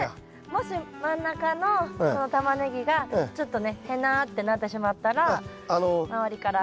もし真ん中のこのタマネギがちょっとねへなってなってしまったら周りから。